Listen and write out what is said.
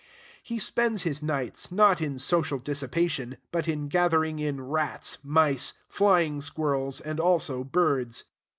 He spends his nights, not in social dissipation, but in gathering in rats, mice, flying squirrels, and also birds.